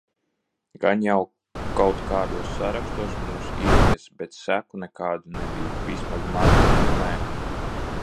Gan jau kaut kādos sarakstos mūs ieviesa, bet seku nekādu nebija. Vismaz manāmu nē.